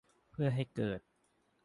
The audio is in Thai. เพื่อให้เกิด